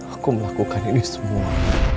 aku melakukan ini semua